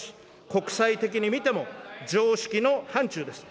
国際的に見ても、常識の範ちゅうです。